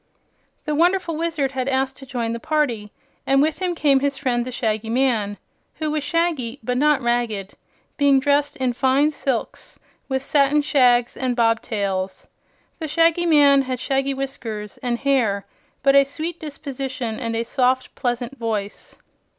The wonderful Wizard had asked to join the party, and with him came his friend the Shaggy Man, who was shaggy but not ragged, being dressed in fine silks with satin shags and bobtails. The Shaggy Man had shaggy whiskers and hair, but a sweet disposition and a soft, pleasant voice.